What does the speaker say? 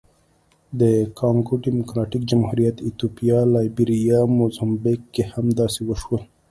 د کانګو ډیموکراتیک جمهوریت، ایتوپیا، لایبیریا، موزمبیق کې هم داسې وشول.